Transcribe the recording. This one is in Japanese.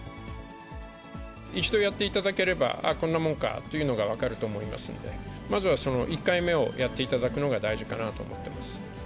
一度やっていただければ、こんなもんかっていうのが分かると思いますので、まずはその１回目をやっていただくのが大事かなと思ってます。